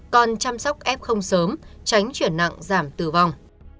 còn chăm sóc f sớm tránh chuyển nặng giảm tử vong